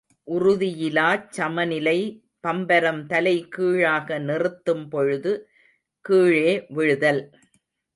உறுதியிலாச் சமநிலை பம்பரம் தலைகீழாக நிறுத்தும் பொழுது கீழே விழுதல்.